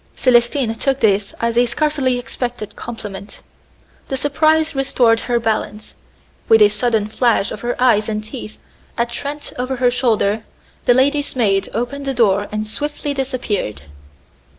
Célestine took this as a scarcely expected compliment. The surprise restored her balance. With a sudden flash of her eyes and teeth at Trent over her shoulder, the lady's maid opened the door and swiftly disappeared.